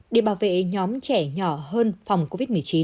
để bảo vệ nhóm trẻ nhỏ hơn phòng covid một mươi chín